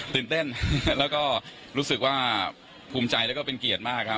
ตื่นเต้นแล้วก็รู้สึกว่าภูมิใจแล้วก็เป็นเกียรติมากครับ